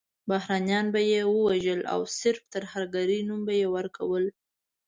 بهرنیان به یې وژل او صرف د ترهګرۍ نوم به یې ورکول.